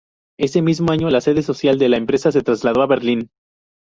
Ese mismo año, la sede social de la empresa se trasladó a Berlín.